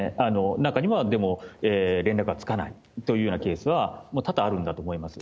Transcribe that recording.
中にはでも、連絡がつかないというようなケースは、多々あるんだと思います。